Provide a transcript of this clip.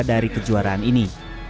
dari kejuaraan ini